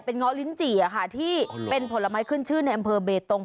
เงาะลิ้นจี่ค่ะที่เป็นผลไม้ขึ้นชื่อในอำเภอเบตง